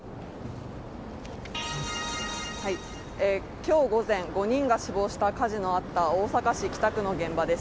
今日午前、５人が死亡した火事のあった大阪市北区の現場です。